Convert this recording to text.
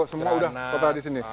semua udah total di sini